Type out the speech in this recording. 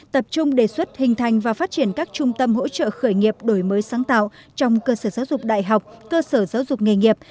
tập trung đề xuất hình thành và phát triển các trung tâm hỗ trợ khởi nghiệp đổi mới sáng tạo trong cơ sở giáo dục đại học cơ sở giáo dục nghề nghiệp